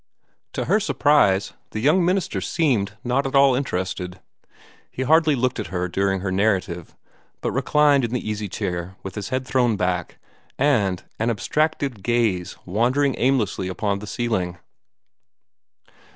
To her surprise, the young minister seemed not at all interested. He hardly looked at her during her narrative, but reclined in the easy chair with his head thrown back, and an abstracted gaze wandering aimlessly about the ceiling.